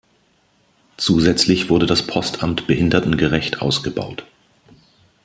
Zusätzlich wurde das Postamt behindertengerecht ausgebaut.